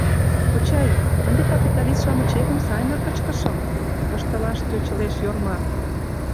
— Кочай, ынде капиталист-шамычетым сайынак кычкышым! — воштылаш тӧчылеш Йорма.